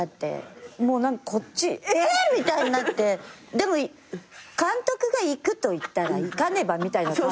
でも監督がいくといったらいかねばみたいな感じで。